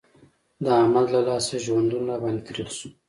د احمد له لاسه ژوندون را باندې تريخ شو.